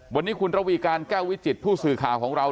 วันนี้คุณระวีการแก้ววิจิตผู้สื่อข่าวของเรา